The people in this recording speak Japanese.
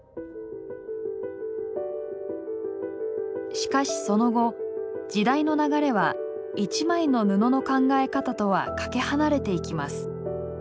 しかしその後時代の流れは「一枚の布」の考え方とはかけ離れていきます。